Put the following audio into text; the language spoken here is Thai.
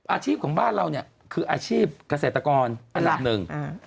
อาชีพของบ้านเราเนี่ยคืออาชีพเกษตรกรอันดับหนึ่ง